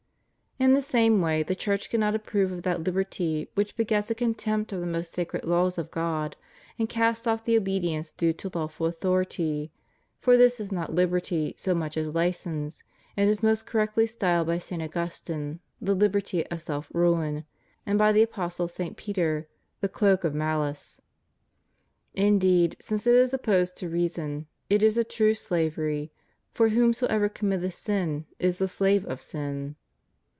In the same way the Church cannot approve of that liberty which begets a contempt of the most sacred laws of God, and casts off the obedience due to lawful authority, for this is not liberty so much as license, and is most correctly styled by St. Augustine the "liberty of self ruin," and by the apostle St. Peter the cloak of malice} Indeed, since it is opposed to reason, it is a true slavery, for whosoever committeth sin is the slave of sin?